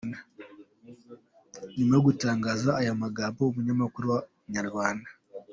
Nyuma yo gutangaza aya magambo umunyamakuru wa Inyarwanda.